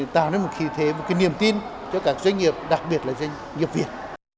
tạo ra một khí thế một cái niềm tin cho các doanh nghiệp đặc biệt là doanh nghiệp việt